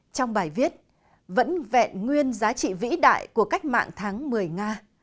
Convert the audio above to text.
trong bài viết vẫn vẹn nguyên giá trị vĩ đại của cách mạng tháng một mươi nga